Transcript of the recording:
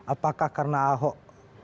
apakah karena ahok